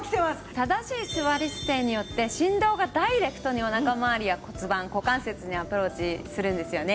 正しい座り姿勢によって振動がダイレクトにお腹まわりや骨盤股関節にアプローチするんですよね。